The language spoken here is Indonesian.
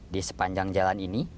di sepanjang jalan ini